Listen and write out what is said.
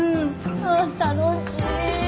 あ楽しい。